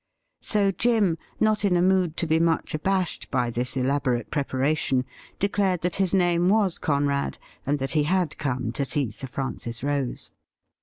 So Jim, not in a mood to be much abashed by this elaborate preparation, declared that his name was Conrad, and that he had come to see Sir Francis Rose.